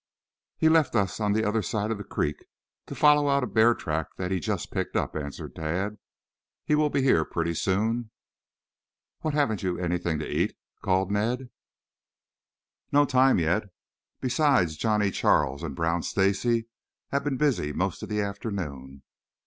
"He left us on the other side of the creek to follow out a bear track that he just picked up," answered Tad. "He will be here pretty soon." "What, haven't you anything to eat?" called Ned. "Not time yet. Besides, Johnnie Charles and Brown Stacy have been busy most of the afternoon."